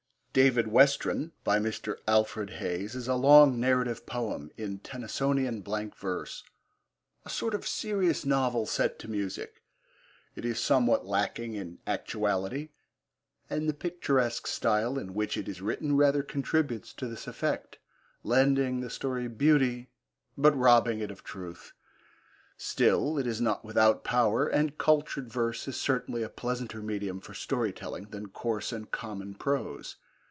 David Westren, by Mr. Alfred Hayes, is a long narrative poem in Tennysonian blank verse, a sort of serious novel set to music. It is somewhat lacking in actuality, and the picturesque style in which it is written rather contributes to this effect, lending the story beauty but robbing it of truth. Still, it is not without power, and cultured verse is certainly a pleasanter medium for story telling than coarse and common prose.